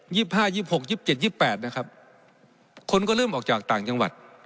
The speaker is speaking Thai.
๒๕๒๖๒๗๒๘นะครับคนก็เริ่มออกจากต่างจังหวัด